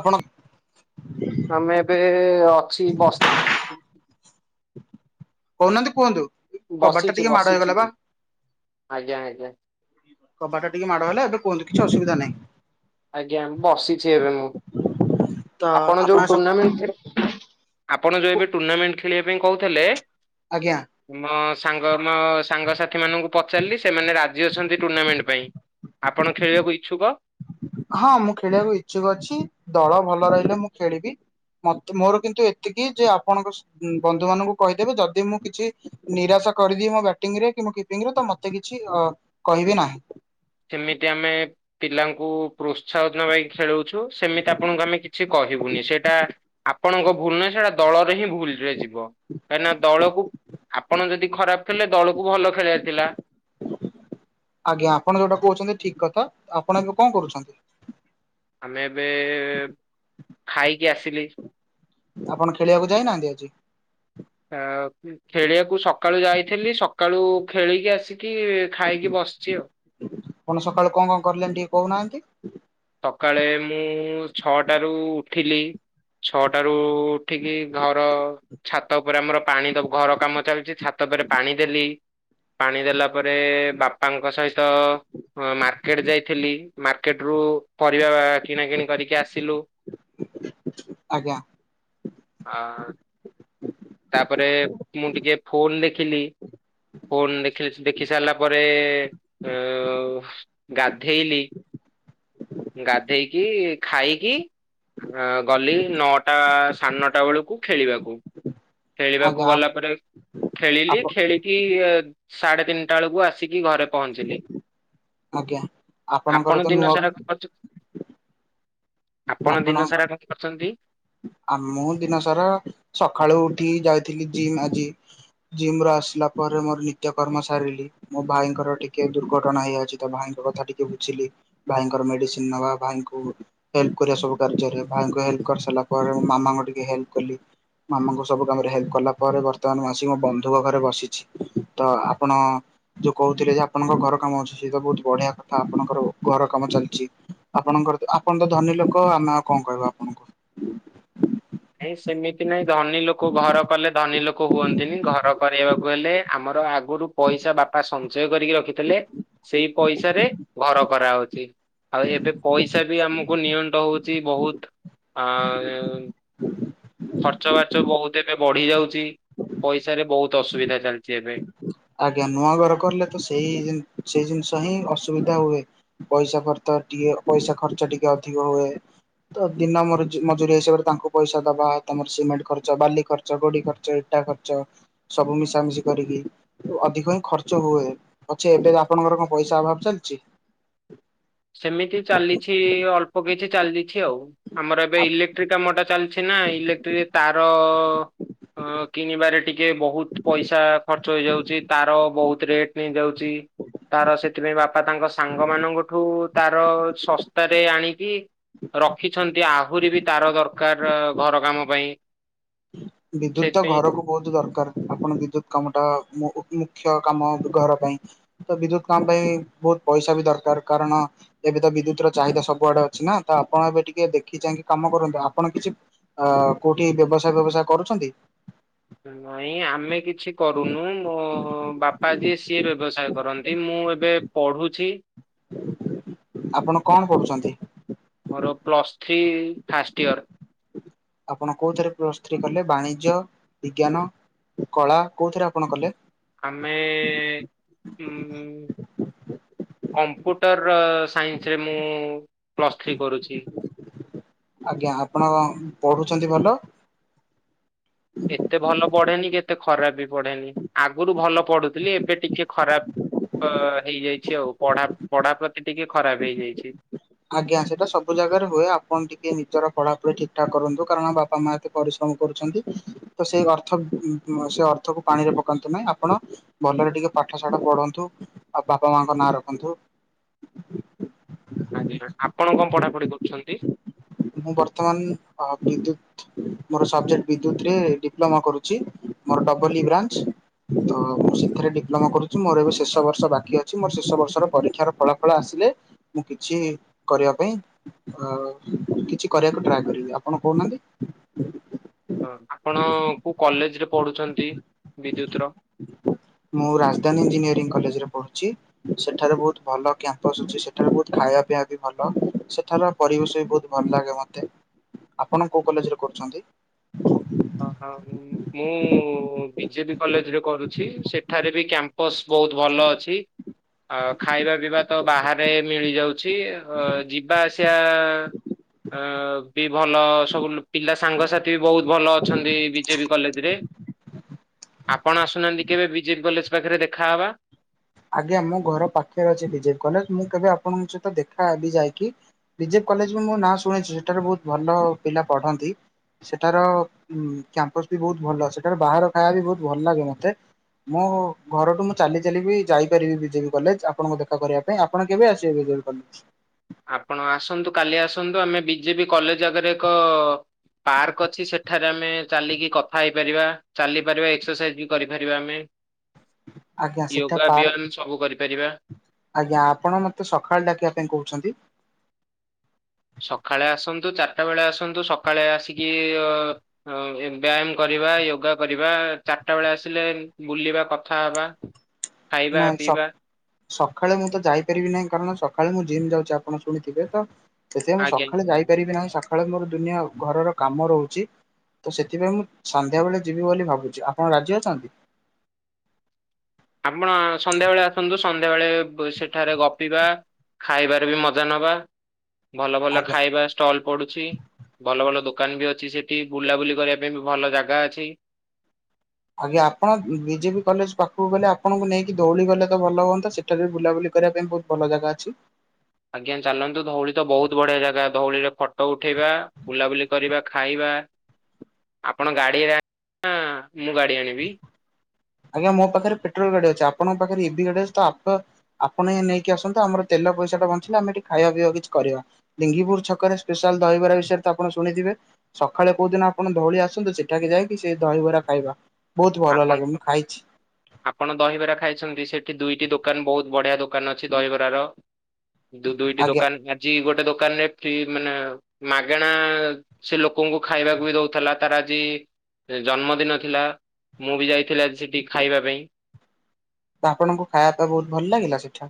ଆପଣ ଆମେ ଏବେ ଅଛି ବସ୍ କହୁନାହାନ୍ତି କୁହନ୍ତୁ କବାଟ ଟା ବସିଛି ଟିକେ ମାଡ ବସିଛି ହେଇଗଲା ବା। ଆଜ୍ଞା ଆଜ୍ଞା କବାଟା ଟିକେ ମାଡ ହେଲା ଏବେ କୁହନ୍ତ କିଛି ଅସୁବିଧା ନାହିଁ। ଆଜ୍ଞା ବସିଛି ଏବେ ମୁଁ ତ ଆପଣ ଯୋଉ ଆପଣଙ୍କ ସହ ଟୁର୍ଣ୍ଣାମେଣ୍ଟ ଥି ଆପଣ ଯେଉଁ ଏବେ ଟୁର୍ଣ୍ଣାମେଣ୍ଟ ଖେଳିବା ପାଇଁ କହୁଥିଲେ ଆଜ୍ଞା ମ ସାଙ୍ଗ ମ ସାଙ୍ଗସାଥିମାନଙ୍କୁ ପଚାରିଲି ସେମାନେ ରାଜି ଅଛନ୍ତି ଟୁର୍ଣ୍ଣାମେଣ୍ଟ ପାଇଁ। ଆପଣ ଖେଳିବାକୁ ଇଚ୍ଛୁକ? ହଁ ମୁଁ ଖେଳିବାକୁ ଇଚ୍ଛୁକ ଅଛି ଦଳ ଭଲ ରହିଲେ ମୁଁ ଖେଳିବି। ମୋର କିନ୍ତୁ ଏତିକି ଯେ ଆପଣଙ୍କ ବନ୍ଧୁ ମାନଙ୍କୁ କହିଦେବେ ଯଦି ମୁଁ କିଛି ନିରାଶ କରିଦିଏ ମୋ ବ୍ୟାଟିଂ ରେ କି ମୁଁ କିପିଂ ରେ ତ ମୋତେ କିଛି ଅ କହିବେ ନାହିଁ। ସେମିତି ଆମେ ପିଲାଙ୍କୁ ପ୍ରୋତ୍ସାହନ ନବାକି ଖେଳଉଛୁ ସେମିତି ଆପଣଙ୍କୁ ଆମେ କିଛି କ କହିବୁନି ସେଇଟା ଆପଣଙ୍କ ଭୁଲ ନହଁ ସେଇଟା ଦଳରେ ହିଁ ଭୁଲ ରେ ଯିବ। କାହିଁକି ଦଳକୁ ଆପଣ ଯଦି ଖରାପ ଖେଳିଲେ ଦଳକୁ ସବୁ ଭଲ ଖେଳିବାରେ ଥିଲା। ଆଜ୍ଞା ଆପଣ ଯୋଉଟା କହୁଛନ୍ତି ଠିକ କଥା ଆପଣ ଏବେ କଣ କରୁଛନ୍ତି? ଆମେ ଏବେ ଖାଇକି ଆସିଲି। ଆପଣ ଖେଳିବାକୁ ଯାଇନାହାନ୍ତି ଆଜି? ଖେଳିବାକୁ ସକାଳୁ ଯାଇଥିଲି ସକାଳୁ ଖେଳିକି ଆସିି କି ଖାଇକି ବସିଛି ଆଉ। ଆପଣ ସକାଳୁ କଣ କଣ କରିଲଣି ଟିକେ କହୁନାହାନ୍ତି? ସକାଳେ ମୁଁ ଛଅଟାରୁ ଉଠିଲି। ଛଅଟ ର ଉଠିକି ଘର ଛାତ ଉପରେ ଆମର ପାଣିବ ଘର କାମ ଚାଲିଛି ଛାତ ତାପରେ ପାଣି ଦେଲି। ପାଣି ଦେଲା ପରେ ବାପାଙ୍କ ସହିତ ମାର୍କେଟ ଯାଇଥିଲି ମାର୍କେଟ ରୁ ପରିବା କିଣାକିଣି କରିକି ଆସିଲୁ। ଆଜ୍ଞା ହ [inaudible] ତାପରେ ମୁଁ ଟିକେ ଫୋନୁ ଦେଖିଲି। ପୁନ ଦେଖିଲିଶ ଦେଖି ସାରିଲା ପରେ ଅ ଗାଧେଇଲି ଗାଧେଇକି ଖାଇକି ଆଁ ଗଲି ନଅଟା ସାଢ଼େ ନଅଟା ବେଳକୁ ଖେଳିବାକୁ ଖେଳିବାକୁ ଆଜ୍ଞା ଗଲା ପରେ ଖେଳିଲି ଆପଣ ଖେଳିକି ସାଢେ ତିନିଟା ବେଳକୁ ଆସିକି ଘରେ ପହଞ୍ଚିଲି। ଆଜ୍ଞା ଆପଣଙ୍କର ଆପଣ ତ ନୂଆ ଦିନ ସାରା କଣ କରୁଚୁ? ଆପଣ ଦିନ ସାରା କଣ କରିଚନ୍ତି? ଆ ମୁଁ ଦିନ ସାରା ସକାଳୁ ଉଠି ଯାଇଥିଲି ଜିମ ଆଜି ଜିମ ରୁ ଆସି ଲା ପରେ ମୋର ନିତ୍ୟ କର୍ମ ସାରିଲି ମୋ ଭାଇଙ୍କର ଟିକେ ଦୁର୍ଘଟଣା ହେଇ ଯାଇଚି ତ ଭାଇଙ୍କ କଥା ଟିକେ ବୁଝି ଇ ଭାଇଙ୍କର ମେଡିସିନ ନବା ଭାଇଙ୍କୁ ହେଲ୍ପ କରିବା ସବୁ କାର୍ଯ୍ୟରେ ଭାଇକୁ ହେଲ୍ପ କରିସାରି ଙ୍କର ମାମାଙ୍କୁ ଟିକେ ହେଲ୍ପ କଲି। ମାମାଙ୍କୁ ସବୁ କାମରେ ହେଲ୍ପ କଲା ପରେ ବର୍ତ୍ତମାନ ମୁଁ ଆସିିକି ମୋ ବନ୍ଧୁଙ୍କ ଘରେ ବସିଛି ତ ଆପଣ ଯୋଉ କହୁଥିଲେ ଯେ ଆପଣଙ୍କ ଘର କାମ ଆସଚି ତ ବହୁତ ବଢିଆ କଥା ଆପଣଙ୍କର ଘର କାମ ଚାଲଚି ଆପ ଆପଣର ଆପଣ ତ ଧନୀ ଲୋକ ଆମେ ଆଉ କଣ କହିବୁ ଆପଣଙ୍କୁ? ନାଇଁ ସେମିତି ନାଇଁ ଧନୀ ଲୋକ ଘର କଲେ ଧନୀ ଲୋକ ହୁଅନ୍ତିନି ଘର କରିବାକୁ କହିଲେ ଆମର ଆଗରୁ ପଇସା ବାପା ସଞ୍ଚୟ କରିକି ରଖିଥିଲେ। ସେଇ ପଇସାରେ ଘର କରାହଉଚି। ଆଉ ଏବେ ପଇସା ବି ଆମକୁ ନିଅଣ୍ଟ ହଉଚି ବହୁତ ଆଁ ଖର୍ଚ୍ଚ ବାର୍ଚ୍ଚ ବହୁତ ଏବେ ବଢି ଯାଉଚି ପଇସା ରେ ବହୁତ ଅସୁବିଧା। ଏବେ। ଆଜ୍ଞା ନୂଆ ଘର କରିଲେ ତ ସେଇ ସେଇ ଜିନିଷ ହିଁ ଆସୁ ଅସୁବିଧା ହୁଏ ପଇସା ଖର୍ଚ୍ଚ ଟିକେ ପଇସା ଖର୍ଚ୍ଚ ଟିକେ ଅଧିକ ହୁଏ। ତ ଦିନ ମରଜି ମଜୁରୀ ହିସାବରେ ତାଙ୍କୁ ପଇସା ଦବା ତମର ସିମେଣ୍ଟ ଖର୍ଚ୍ଚ ବାଲି ଖର୍ଚ୍ଚ ଗୋଡି ଖର୍ଚ୍ଚ ଇଟା ଖର୍ଚ୍ଚ ସବୁ ମିଶାମିଶି କରିକି ଅଧିକ ହିଁ ଖର୍ଚ୍ଚ ହୁଏ ପଛେ ଏବେ ଆପଣଙ୍କର କଣ ପଇସା ଅଭାବ ଚାଲଚି। ପକେଇଚି ଚାଲି ଦେଇଛି ଆଉ। ଆମର ଏବେ ଇଲେକ୍ଟ୍ରି କାମଟା ଚାଲିଛି ନା ଇଲେକ୍ଟ୍ରି ରେ ତାର ହଁ କିଣିବାରେ ଟିକେ ବହୁତ ପଇସା ଖର୍ଚ୍ଚ ହେଇଯାଉଚି ତାର ରେଟ୍ ନେଇଯାଉଚି ତାର ସେଥିପାଇଁ ବାପା ତାଙ୍କ ସାଙ୍ଗ ମାନଙ୍କଠୁ ତାର ଶସ୍ତାରେ ଆଣିକି ରଖିଛନ୍ତି ଆ ହୁରିବି ତାର ଦରକାର ଘର କାମ ପାଇଁ। ବିଦ୍ୟୁତ ତ ସେଥିପାଇଁ ଘରକୁ ବହୁତ ଦର ଆପଣ ବିଦ୍ୟୁତ କାମଟା ବହୁତ ମୁଖ୍ୟ କାମ ଘର ପାଇଁ ତ ବିଦ୍ୟୁତ କାମ ପାଇଁ ବହୁତ ପଇସା ବି ଦରକାର କାରଣ ଏବେ ତ ବିଦ୍ୟୁତ ର ଚାହିଦା ସବୁଆଡେ ଅଛି ନା ତ ଆପଣ ଏବେ ଟିକେ ଦେଖିଚାହିଁ କାମ କାମ କରନ୍ତୁ ଆପଣ କିଛି ଅ କୋଉଠି ବ୍ୟବସାୟ ଫ୍ୟବସାୟ କରୁଛନ୍ତି? ନାଇଁ ଆମେ କିଛି କରୁନୁ ମୋ ବାପା ଯିଏ ସିଏ ବ୍ୟବସାୟ କରନ୍ତି ମୁଁ ମୁଁ ଏବେ ପଢୁଛି। ଆପଣ କଣ କରୁଚନ୍ତି? ମୋର ପ୍ଲସ୍ ଥ୍ରୀ ଫାଷ୍ଟ ଇୟର। ଆପଣ କୋଉଥିରେ ପ୍ଲସ୍ ଥ୍ରୀ କଲେ ବାଣିଜ୍ୟ ବିଜ୍ଞାନ କଳା କୋଉଥିରେ ଆପଣ କଲେ? ଆମେ ଉଁ କମ୍ପ୍ୟୁଟର ସାଇନ୍ସରେ ମୁଁ ପ୍ଲସ୍ ଥ୍ରୀ କରୁଚି। ଆଜ୍ଞା ଆପଣ ପଢୁଚନ୍ତି ଭଲ ଏତେ ଭଲ ପଢେନି କି ଏତେ ଖରାପ ବି ପଢେନି ଆଗରୁ ଭଲ ପଢୁଥିଲି ଏବେ ଟିକେ ଖରାପ ଅ ହେଇଯାଇଛି ଆଉ ପଢା ପଢା ଟିକେ ଖରାପ ହେଇଯାଇଛି। ଆଜ୍ଞା ସେଇଟା ସବୁ ଜାଗାରେ ହୁଏ ଆପଣ ଟିକେ ନିଜର ପଢାପଢି ଠିକ ଠାକ୍ କରନ୍ତୁ କାରଣ ବାପା ମା ଏତେ ପରିଶ୍ରମ କରୁଛନ୍ତି ତ ସେ ଅର୍ଥ ସେ ଅର୍ଥକୁ ପାଣିରେ ପକାନ୍ତୁ ନାହିଁ ଆପଣ ଭଲରେ ଟିକେ ପାଠ ସାଠ ପଢନ୍ତୁ ଆଉ ବାପା ମାଙ୍କ ନାଁ ରଖନ୍ତୁ। ଆଜ୍ଞା ଆପଣ କଣ ପଢାପଢି କରୁଛନ୍ତି? ମୁଁ ବର୍ତ୍ତମାନ ବିଦ୍ୟୁତ୍ ମୋର ସବଜେକ୍ଟ ବିଦ୍ୟୁତରେ ଡିପ୍ଲୋମା କରୁଛି ମୋର ଡବଲି ବ୍ରାଞ୍ଚ ତ ମୁଁ ସେଥିରେ ଡିପ୍ଲୋମା କରୁଛି ମୋର ଏବେ ଶେଷ ବର୍ଷ ବାକି ଅଛି ମୋର ଶେଷ ବର୍ଷର ପରୀକ୍ଷାର ଫଳାଫଳ ଆସି ଲେ ମୁଁ କିଛି କରିବା ପାଇଁ ଅ କିଛି କରିବାକୁ ଟ୍ରାଏ କରିବି ଆପଣ କହୁନାହାନ୍ତି। ହଁ ଆପଣ କୋଉ କଲେଜରେ ପଢୁଛନ୍ତି ବିଦ୍ୟୁତ୍ ର ମୁଁ ରାଜଧାନୀ ଇଞ୍ଜିନିୟରିଂ କଲେଜରେ ପଢୁଛି। ସେଠାରେ ବହୁତ ଭଲ କ୍ୟାମ୍ପସ ଅଛି। ସେଠାରେ ବହୁତ ଖା ଖାଇବା ପିଇବା ବି ଭଲ। ସେଠାର ପରିବେଶ ବି ବହୁତ ଭଲ ଲାଗେ ମତେ। ଆପଣ କୋଉ କଲେଜରେ କରୁଛନ୍ତି। ମୁଁ ବିଜେଡି। କଲେଜରେ କରୁଛି ସେଠାରେ ବି କ୍ୟାମ୍ପସ ବହୁତ ଭଲ ଅଛି। ଆ ଖାଇବା ପିଇବା ତ ବାହାରେ ମିଳି ଯାଉଛି। ଅ ଯିବା ଆସ ବି ଭଲ ସବୁ ପିଲା ସାଙ୍ଗସାଥି ବି ବହୁତ ଭଲ। ଅଛନ୍ତି ବିଜେବି କଲେଜରେ। ଆପଣ ଆସୁନାହାନ୍ତି କେବେ ବିଜେବି କଲେଜ ପାଖରେ ଦେଖାହେବା। ଆଜ୍ଞା ମୋ ଘର ପାଖରେ ଅଛି ବିଜେବି କଲେଜ। ମୁଁ କେବେ ଆପଣଙ୍କ ସହିତ ଦେଖା ହେବି ଯାଇକି। କଲେଜ ମୁଁ ନାଁ ଶୁଣିଛି ସେଠାରେ ବହୁତ ଭଲ ପିଲା ପଢ଼ନ୍ତି। ସେଠାର କ୍ୟାମ୍ପସ ବି ବହୁତ ଭଲ ସେଠାର ବାହାର ଖାଇବା ବି ବହୁତ ଭଲ ଲାଗେ ମତେ। ମୁଁ ଘରଠୁ ମୁଁ ଚାଲି ଚାଲିି ବି ଯାଇପାରିବି ବିଜେବି କଲେଜ ଆପଣଙ୍କୁ ଦେଖା କରିବା ପାଇଁ। ଆପଣ କେବେ ଆସିବେ ବିଜେବି କଲେଜ। ଆପଣ ଆସନ୍ତୁ କାଲି ଆସନ୍ତୁ ଆମେ ବିଜେବି କଲେଜ ଆଗରେ ଏକ ପାର୍କ ଅଛି ସେଠାରେ ଆମେ ଚାଲିକି କଥା ହେଇପାରିବା ଚାଲିପାରିବା ଏକ୍ସରସାଇଜ ବି କରିପାରିବା ଆମେ। ଆଜ୍ଞା ସେଠା ୟୋଗା ପାର୍କ ବିୟନ ସବୁ କରିପାରିବା। ଆଜ୍ଞା ଆପଣ ମତେ ସକାଳ ଡାକିବା ପାଇଁ କହୁଛନ୍ତି। ସକାଳେ ଆସନ୍ତୁ ଚାରିଟା ବେଳେ ଆସନ୍ତୁ ସକାଳେ ଆସିକି ବ୍ୟାୟାମ କରି ବା ୟୋଗା କରିବା। ଚାରିଟା ବେଳେ ଆସିଲେ ବୁଲିବା କଥା ହବା ନାଇଁ ସକ୍ ସକାଳେ ମୁଁ ତ ଯାଇପାରିବି ନାହିଁ। କାରଣ ସ ସକାଳେ ମୁଁ ଜିମ୍ ଯାଉଛି ଆପଣ ଶୁଣିଥିବେ ତ, ସେଥିପାଇଁ ମୁଁ ଆଜ୍ଞା ସକାଳେ ଆଜ୍ଞା। ଯାଇପାରିବି ନାହିଁ। ସକାଳେ ମୋର ଦୁନିଆ ଘରର କାମ ରହୁଛି। ତ ସେଥିପାଇଁ ମୁଁ ସନ୍ଧ୍ୟାବେେଳେ ଯିବି ବୋଲି ଭାବୁଛି ଆପଣ ରାଜି ଅଛନ୍ତି। ଆପଣ ସନ୍ଧ୍ୟାବେଳେ ଆସନ୍ତୁ, ସନ୍ଧ୍ୟାବେେଳେ ସେଠାରେ ଗପିବା। ଖାଇବାରେ ବି ମଜା ନବା। ଭଲ ଭଲ ଆଜ୍ଞା। ଖାଇବା ଷ୍ଟଲ ପଡୁଛି। ଭଲ ଭଲ ଦୋ ଦୋକାନ ବି ଅଛି। ସେଠି ବୁଲାବୁଲି କରିବା ପାଇଁ ବି ଭଲ ଜାଗା ଅଛି। ଆଜ୍ଞା ଆପଣ ବିଜେବି କଲେଜ ପାଖକୁ ଗଲେ, ଆପଣଙ୍କୁ ନେଇକି ଦୌଳି ଗଲେ ତ ଭଲ ହୁଅନ୍ତା। ସେଠାରେ ବି ବୁଲାବୁଲି କରିବା ପାଇଁ ବହୁତ ଭଲ ଜାଗା ଅଛି। ଆଜ୍ଞା ଚାଲନ୍ତୁ ଧଉଳି ତ ବହୁତ ବଢିଆ ଜାଗା। ଧଉଳିରେ ଫଟୋ ଉଠେଇବା, ବୁଲାବୁଲି କରିବା, ଖାଇବା। ଆପଣ ଗାଡିରେ [inaudible] ମୁଁ ଗାଡି ଆଣିବି। ଆଜ୍ଞା ମୋ ପାଖରେ ପେଟ୍ରୋଲ ଗାଡି ଅଛି। ଆପଣଙ୍କ ପାଖରେ ଇ ଭି ଗାଡି ଅଛି ତ, ଆପଣ ହିଁ ନେଇକି ଆସନ୍ତୁ ଆମର ତେଲ ପଇସା ଟା ବଞ୍ଚିଲେ ଆମେ ଏଠି ଖାଇବା ପିଇବା କିଛି କରିବା। ଲିଙ୍ଗିପୁର ଛକରେ ସ୍ପେଶାଲ ଦହିବାର ବିଷୟରେ ତ ଆପଣ ଶୁଣିଥିବେ। ସକାଳେ କୋଉ ଦିନ ଆପଣ ଧଉଳି ଆସନ୍ତୁ ସେଠାକେ ଯାଇକି, ସେ ଦହିବରା ଖାଇବା ବହୁତ ଭଲ ଆପଣ ଲାଗେ। ଖାଇଛି ଆପଣ ଦହିବରା ଖାଇଛନ୍ତି ସେଠି ଦୁଇଟି ଦୋକ ଦୋକାନ ବହୁତ ବଢିଆ ଦୋକାନ ଅଛି ଦହିବରାର, ଯୋଉ ଦୁଇଟି ଆଜ୍ଞା ଦୋକାନ ଆଜି ଗୋଟ ଗୋଟେ ଦୋକାନରେ ଫ୍ରି ମାନେ ମାଗେଣା ସେ ଲୋକଙ୍କୁ ଖାଇବାକୁ ବି ଦଉଥିଲା ତାର ଆଜି ଜନ୍ମଦିନ ଥିଲା ମୁଁ ବି ଯାଇଥିଲି ଆଜି ସେଠି ଖାଇବା ପାଇଁ। ତ ଆପଣଙ୍କୁ ଖାଇବା ପାଇଁ ବହୁତ ଭଲ ଲାଗିଲା ସେଠା।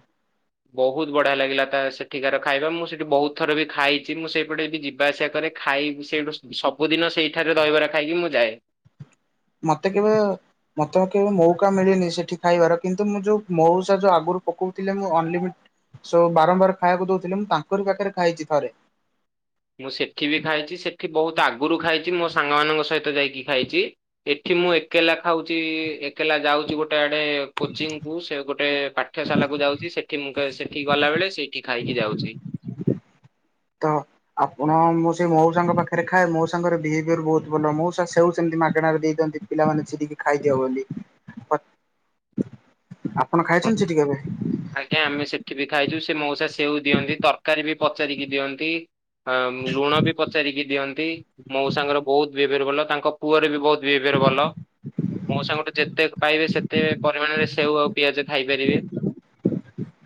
ବହୁତ ବଢିଆ ଲାଗିଲା ତା ସେଠିକାର ଖାଇବା। ମୁଁ ସେଠି ବହୁତ ଥର ବି ଖାଇଛି। ମୁଁ ସେଇପଟେ ବି ଯିବା ଆସିବା କରେ ଖା ଖାଇ ସେଇଠୁ ସ ସବୁଦିନ ସେଇଠାରେ ଦହିବରା ଖାଇକି ମୁଁ ଯାଏ। ମତେ କେବେ ମତେ କେବେ ମଉକା ମିଳିନି ସେଠି ଖାଇବାର କିନ୍ତୁ ମୁଁ ଯୋଉ ମଉସା ଯୋଉ ଆଗୁ ପକଉଥିଲେ ମୁଁ ଅନଲିମି ସୋ ବାରମ୍ବାର ଖାଇବାକୁ ଦଉଥିଲେ। ମୁଁ ତାଙ୍କରି ପାଖରେ ଖାଇଛି ଥରେ। ମୁଁ ସେଠି ବି ଖାଇଚି। ସେଠି ବହୁତ ଆଗରୁ ଖାଇଚି, ମୋ ସାଙ୍ଗ ମାନଙ୍କ ସହିତ ଯାଇକି ଖାଇଚି। ଏଠି ମୁଁ ଏକଲା ଖାଉଚି ଏକଲା ଯାଉଚି ଗୋଟେ ଆଡେ କୋଚିଂକୁ, ସେ ଗୋଟେ ପାଠ୍ୟଶାଲାକୁ। ଯାଉଚି ସେଠି ମୁଁ ସେଠି ଗଲା ବେଳେ ସେଇଠି ଖାଇକି ଯାଉଚି। ତ ଆପଣ ମୁଁ ସେଇ ମଉସାଙ୍କ ପାଖରେ ଖାଏ ମଉସାଙ୍କର ବିହେଭିୟର ବହୁତ ଭଲ, ମଉସା ସେଉ ସେମିତି ମାଗଣାରେ ଦେଇଦ ଚନ୍ତି ପିଲାମାନେ ଛିରିକି ଖାଇଦିଅ ବୋଲି। [unintelligible] ଆପଣ ଖାଇଛନ୍ତି ସେଠି କେବେ? ଆଜ୍ଞା! ଆମେ ସେଠି ବି ଖାଇଚୁ ସେ ମଉସା ସେଉ ଦିଅନ୍ତି ତରକାରୀ ବି ପଚାରିକି ଦିଅନ୍ତି। ଅ ଲୁଣ ବି ପଚାରିକି ଦିଅନ୍ତି, ମଉସାଙ୍କର ବହୁତ ବିହେଭିୟର ଭଲ ତାଙ୍କ ପୁଅର ବି ବହୁତ ବିହେଭିୟର ଭଲ। ମଉସାଙ୍କଠୁ ଯେତେ ପାଇବେ ସେତେ ପରିମାଣରେ ସେଉ ଆଉ ପିଆଜ ଖାଇପାରିବେ।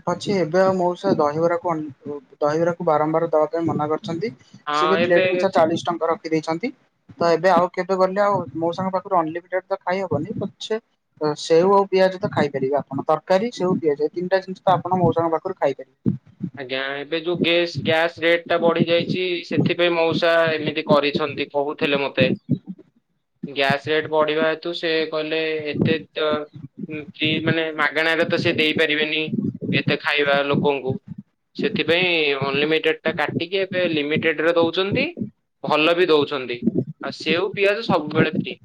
ପଛେ ଏବେ ଆଉ ମଉସା ଦହିବରାକୁ ଅନ ଦହିବରାକୁ ବାରମ୍ବାର ଦବା ପାଇଁ ମନା କରି ଛନ୍ତି ସେ ଏବେ ପ୍ଲେଟ ପିଛା ଚାଳିଶ ଟଙ୍କା ରଖିଦେଇଛନ୍ତି। ତ ଏବେ ଆଉ କେବେ ଗଲେ ଆଉ ମଉସାଙ୍କ ପାଖରୁ ଅନଲିମିଟେଡ ତ ଖାଇ ହବନି, ପଛେ ସେଉ ଆଉ ପି ପିଆଜ ତ ଖାଇପାରିବେ ଆପଣ ତରକାରୀ ସେଉ ପିଆଜ ଏ ତିନିଟା ଜିନିଷ ଆପଣ ମଉସାଙ୍କ ପାଖରୁ ଖାଇବେ। ଆଜ୍ଞା! ଏବେ ଯୋଉ ଗେସ୍ ଗ୍ୟାସ୍ ରେଟ୍ ଟା ବଢ଼ିଯାଇଛି ସେଥିପାଇଁ ମଉସା ଏମିତି କରିଛନ୍ତି। କହୁଥିଲେ ମତେ। ଗ୍ୟାସ ରେଟ୍ ବଢିବା ହେତୁ ସେ କହିଲ ଏତେ ତ ଯିଏ ମାନେ ମାଗଣାରେ ତ ସେ ଦେଇ ପାରିବେନି ଏତେ ଖାଇବା ଲୋକଙ୍କୁ। ସେଥିପାଇଁ ଅନଲିମିଟେଡ ଟା କାଟିକି ଏବେ ଲିମିଟ୍ ଟରେ ଦଉଛନ୍ତି ଭଲ ବି ଦଉଛନ୍ତି, ଆଉ ସେଓ ପିଆଜ ସବୁବେଳେ ଫ୍ରି। [unintelligible]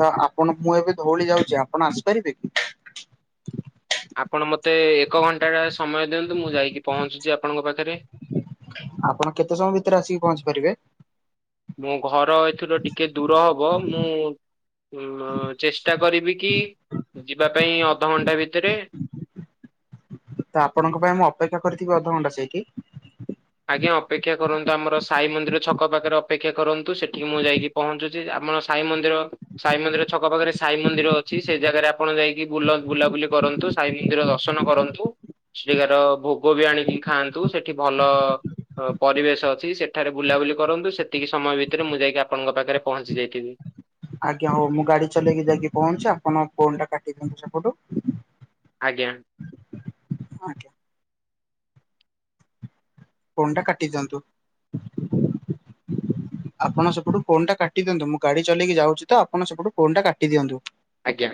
ତ ଆପଣ ମୁଁ ଏବେ ଧଉଳି ଯାଉଚି ଆପଣ ଆସିପାରିବେ କି? ଆପଣ ମୋତେ ଏକ ଘଣ୍ଟା ସମୟ ଦିଅନ୍ତୁ ମୁଁ ଯାଇକି ପହଞ୍ଚୁଛି ଆପଣଙ୍କ ପାଖରେ। ଆପଣ କେତେ ସମୟ ଭିତରେ ଆସିକି ପହଞ୍ଚି ପାରିବେ? ମୋ ଘର ଏଥିରୁ ଟିକେ ଦୂର ହବ, ମୁଁ ଅଁ ଚେଷ୍ଟା କରିବି କି ଯିବା ପାଇଁ ଅଧଘଣ୍ଟା ଭିତେରେ [unintelligible] ତ ଆପଣଙ୍କ ପାଇଁ ମୁଁ ଅପେକ୍ଷା କରିଥିବି ଅଧଘଣ୍ଟା ସେଇଠି? ଆଜ୍ଞା! ଅପେକ୍ଷା କରନ୍ତୁ ଆମର ସାଇ ମନ୍ଦିର ଛକ ପାଖରେ ଅପେକ୍ଷା କରନ୍ତୁ ସେଠିକି ମୁଁ ଯାଇକି ପହଞ୍ଚୁଛି, ଆପ ଆମର ସାଇ ମନ୍ଦିର ସାଇ ମନ୍ଦିର ଛକ ପାଖରେ ସାଇ ମନ୍ଦିର ଅଛି ସେ ଜାଗାରେ ଆପଣ ଯାଇକି ବୁଲ ବୁଲାବୁଲି କର କରନ୍ତୁ ସାଇ ମନ୍ଦିର ଦର୍ଶନ କରନ୍ତୁ ସେଠିକାର ଭୋଗ ବି ଆଣିକି ଖାଆନ୍ତୁ ସେଠି ଭଲ ପରିବେଶ ଅଛି ସେଠାରେ ବୁଲାବୁଲି କରନ୍ତୁ। ସେତିକି ସମୟ ଭିତରେ ମୁଁ ଯାଇକି ଆପଣଙ୍କ ପାଖରେ ପହଞ୍ଚି ଯାଇଥିବି। [unintelligible] ଆଜ୍ଞା! ହଉ ମୁଁ ଗାଡି ଚଲେଇକି ଯାଇକି ପହଞ୍ଚି ଆପଣ ଫୋନ୍ ଟା କାଟି ଦିଅନ୍ତୁ ସେପଟୁ। ଜ୍ଞା। ହଁ ଆଜ୍ଞା। ଫୋନଟା କାଟି ଦିଅନ୍ତୁ। [unintelligible] ଆପଣ ସେପଟୁ ଫୋନଟା କାଟି ଦିଅନ୍ତୁ, ମୁଁ ଗାଡି ଚଲେଇକି ଯାଉଛି ତ ଆପଣ ସେପଟୁ ଫୋନ କାଟି ଦିଅନ୍ତୁ। ଆଜ୍ଞା!